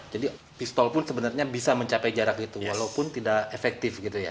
jadi pistol pun sebenarnya bisa mencapai jarak itu walaupun tidak efektif gitu ya